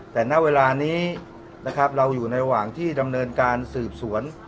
แต่ณเวลานี้นะครับเราอยู่ในระหว่างที่ดำเนินการสืบสวน